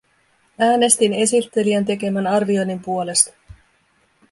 Äänestin esittelijän tekemän arvioinnin puolesta.